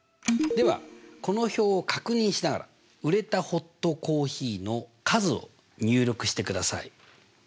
ではこの表を確認しながら「売れたホットコーヒーの数」を入力してください。